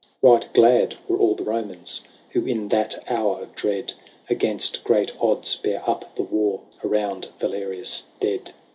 XXVI. Right glad were all the Romans Who, in that hour of dread. Against great odds bare up the war Around Valerius dead.